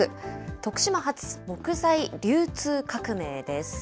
徳島発・木材流通革命です。